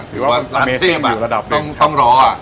ถือว่าร้านซิมอะต้องรออะคือว่าอาเมเซ่นอยู่ระดับหนึ่ง